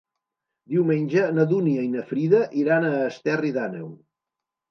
Diumenge na Dúnia i na Frida iran a Esterri d'Àneu.